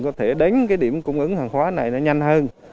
có thể đến cái điểm cung ứng hàng hóa này nó nhanh hơn